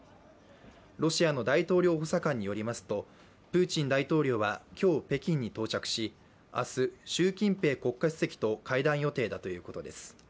ロシアの大統領補佐官によりますとプーチン大統領は今日北京に到着し、明日、習近平国家主席と会談予定だということです。